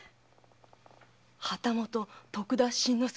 旗本・徳田新之助